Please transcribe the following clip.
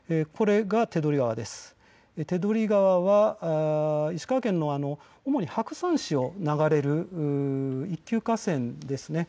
手取川は石川県の主に白山市を流れる一級河川です。